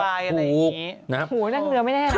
นั่งเบลอไปอย่างนี้ถูกนะครับ